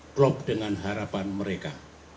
klop dengan harapan mereka